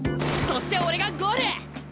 そして俺がゴール！